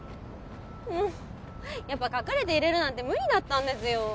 もうやっぱ隠れて入れるなんて無理だったんですよ